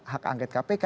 hak angget kpk